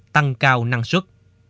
tăng cao năng suất